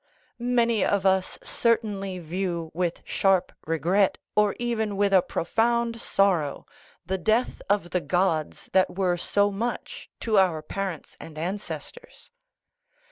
Many of us certainly view with sharp regret, or even with a profound sorrow, the death of the gods that were so much to our parents and ancestors.